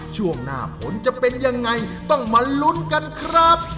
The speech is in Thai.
ช่วงหน้าผลจะเป็นยังไงต้องมาลุ้นกันครับ